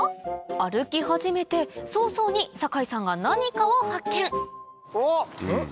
歩き始めて早々に酒井さんが何かを発見うわっ！